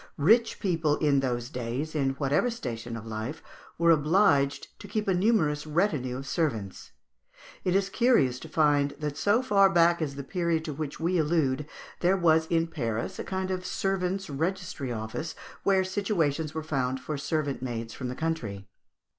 Rich people in those days, in whatever station of life, were obliged to keep a numerous retinue of servants. It is curious to find that so far back as the period to which we allude, there was in Paris a kind of servants' registry office, where situations were found for servant maids from the country.